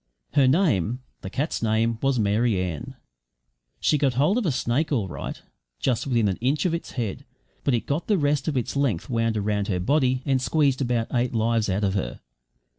Her name the cat's name was Mary Ann. She got hold of the snake all right, just within an inch of its head; but it got the rest of its length wound round her body and squeezed about eight lives out of her.